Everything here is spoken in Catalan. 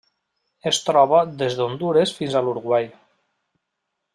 Es troba des d'Hondures fins a l'Uruguai.